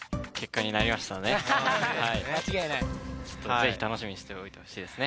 ぜひ楽しみにしておいてほしいですね